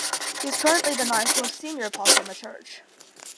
He is currently the ninth most senior apostle in the church.